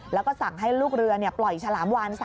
แล้วก็สั่งให้ลูกเรือปล่อยฉลามวาน